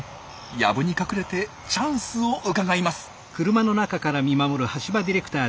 やぶに隠れてチャンスをうかがいます。